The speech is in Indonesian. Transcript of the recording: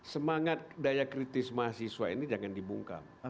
semangat daya kritis mahasiswa ini jangan dibungkam